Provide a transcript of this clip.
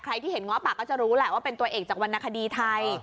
ที่เห็นง้อปากก็จะรู้แหละว่าเป็นตัวเอกจากวรรณคดีไทย